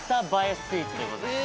スイーツでございます